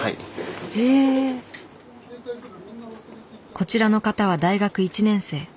こちらの方は大学１年生。